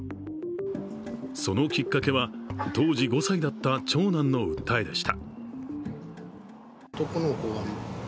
そのきっかけは、当時５歳だった長男の訴えでした。